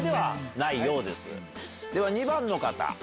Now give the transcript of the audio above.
では２番の方。